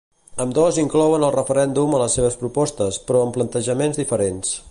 Ambdós inclouen el referèndum a les seves propostes, però amb plantejaments diferents.